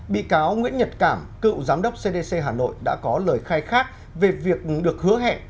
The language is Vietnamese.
bị cáo nguyễn nhật cảm cựu giám đốc cdc hà nội đã có lời khai khác về việc được hứa hẹn